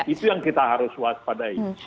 itu yang kita harus waspadai